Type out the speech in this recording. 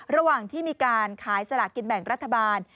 ระหว่างที่มีการขายสลากกินแบ่งรัฐบาล